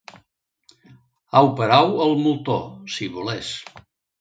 Au per au, el moltó, si volés.